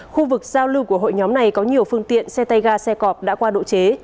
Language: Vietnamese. khu vực giao lưu của hội nhóm này có nhiều phương tiện xe tay ga xe cọp đã qua độ chế